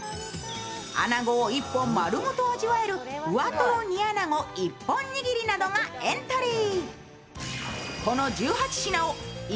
穴子を１本丸ごと味わえるふわとろ煮穴子一本にぎりなどがエントリー。